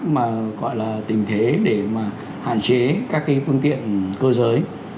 mà gọi là tình thế để mà hạn chế các cái phương tiện cơ giới